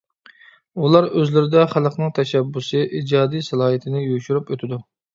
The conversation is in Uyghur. ئۇلار ئۆزلىرىدە خەلقنىڭ تەشەببۇسى، ئىجادىي سالاھىيىتىنى يوشۇرۇپ ئۆتىدۇ.